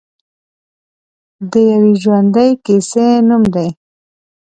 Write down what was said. د یوې ژوندۍ کیسې نوم دی.